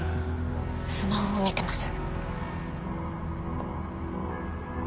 スマホを見てます